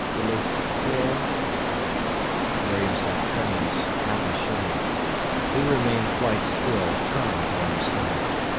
Il est si clair_—'" Miriam sat tremulous, half ashamed. He remained quite still, trying to understand.